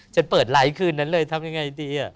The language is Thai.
จะเปิดไลค์คืนนั้นเลยทำยังไงดี